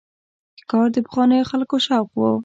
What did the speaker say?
ښکار د پخوانیو خلکو شوق و.